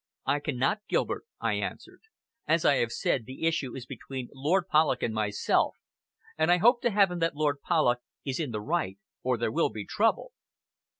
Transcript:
"I cannot, Gilbert," I answered. "As I have said, the issue is between Lord Polloch and myself, and I hope to Heaven that Lord Polloch is in the right, or there will be trouble."